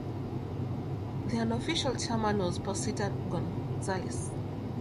The unofficial chairman was Pacita Gonzalez.